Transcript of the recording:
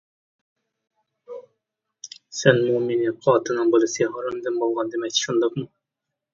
-سەنمۇ مېنى قاتىلنىڭ بالىسى، ھارامدىن بولغان دېمەكچى، شۇنداقمۇ؟ !